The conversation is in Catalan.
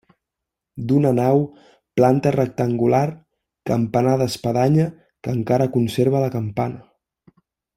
D'una nau, planta rectangular, campanar d'espadanya que encara conserva la campana.